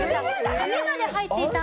紙まで入っていたんです。